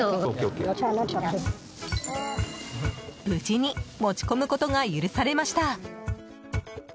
無事に持ち込むことが許されました。